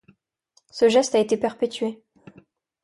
Ce geste a été perpétué.